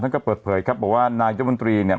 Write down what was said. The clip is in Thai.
ทั้งกับเปิดเผยครับบอกว่านายเจ้ามันตรีเนี่ย